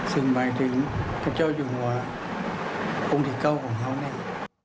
ซึ่งหมายถึงพระเจ้าอยู่หัวองค์ที่เก้าของเขาเนี่ย